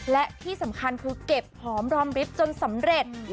และที่สำคัญคือเก็บหอมรอมริบจนสำเร็จ